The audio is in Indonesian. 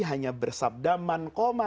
hanya bersabda man koma